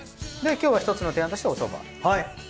今日は１つの提案としておそば。